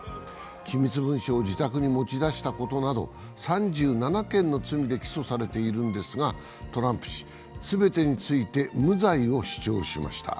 機密文書を自宅に持ち出したことなど３７件の罪で起訴されているんですが、トランプ氏、全てについて無罪を主張しました。